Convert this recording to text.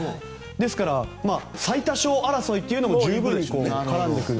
ですから最多勝争いというのにも十分絡んでくる。